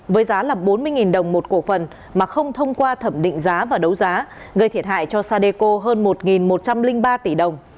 với giá là bốn mươi đồng một cổ phần mà không thông qua thẩm định giá và đấu giá gây thiệt hại cho sadeco hơn một một trăm linh ba tỷ đồng